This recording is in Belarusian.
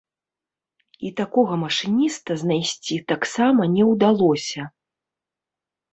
І такога машыніста знайсці таксама не ўдалося.